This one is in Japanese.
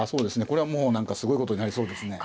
これはもう何かすごいことになりそうですね。